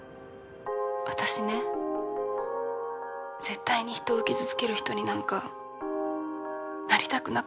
私ね絶対に人を傷つける人になんかなりたくなかったの。